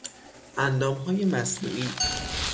اندامهای مصنوعی